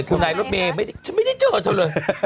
คุณที่ไหนก็ไม่ได้ฉันไม่ได้เจอเธอเลย